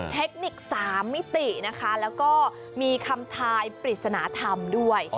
เทคนิค๓มิตินะคะแล้วก็มีคำทายปริศนธรรมด้วย